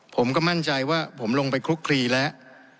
ผมก็มั่นใจว่าผมลงไปคลุกคลีแล้ว